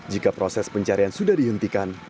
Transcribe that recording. jika proses pencarian sudah dihentikan